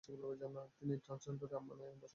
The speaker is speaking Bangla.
তিনি ট্রান্সজর্ডানের আম্মানে বসবাস করতে থাকেন।